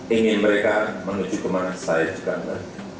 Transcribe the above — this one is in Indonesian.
ingin mereka menuju kemana saya menuju kemana